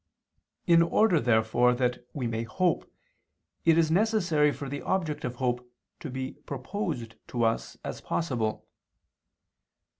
In order, therefore, that we may hope, it is necessary for the object of hope to be proposed to us as possible.